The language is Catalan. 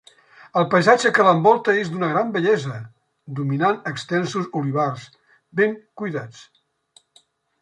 El paisatge que l'envolta és d'una gran bellesa, dominant extensos olivars, ben cuidats.